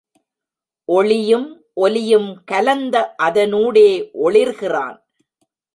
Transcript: ஒளியும் ஒலியும் கலந்த அதனூடே ஒளிர்கிறான்.